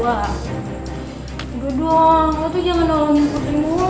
udah dong lo tuh jangan nolongin putri mulu